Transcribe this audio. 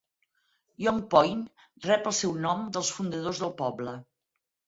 Young's Point rep el seu nom dels fundadors del poble.